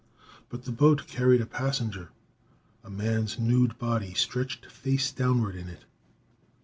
But the boat carried a passenger. A man's nude body stretched face downward in it.